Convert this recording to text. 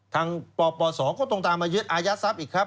ปปศก็ต้องตามมายึดอายัดทรัพย์อีกครับ